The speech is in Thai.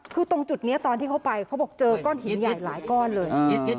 คือตรงจุดนี้ตอนที่เขาไปเขาบอกเจอก้อนหินใหญ่หลายก้อนเลย